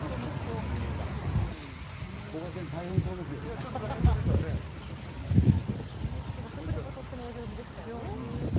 こがけん、食リポ、とってもお上手でしたよね。